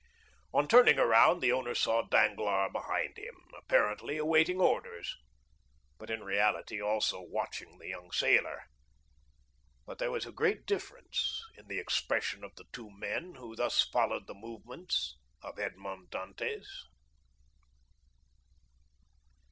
On turning round the owner saw Danglars behind him, apparently awaiting orders, but in reality also watching the young sailor,—but there was a great difference in the expression of the two men who thus followed the movements of Edmond Dantès.